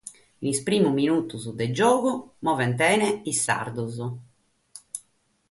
In sos primos minutos de giogu movent bene sos sardos.